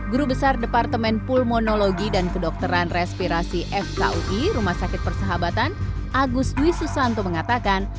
guru besar departemen pulmonologi dan kedokteran respirasi fkui rumah sakit persahabatan agus dwi susanto mengatakan